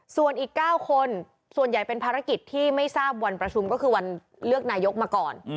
ส่วนอีก๙คนส่วนใหญ่เป็นภารกิจที่ไม่ทราบวันประชุมก็คือวันเลือกนายกมาก่อน